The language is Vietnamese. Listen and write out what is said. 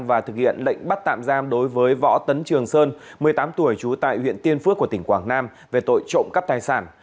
và thực hiện lệnh bắt tạm giam đối với võ tấn trường sơn một mươi tám tuổi trú tại huyện tiên phước của tỉnh quảng nam về tội trộm cắp tài sản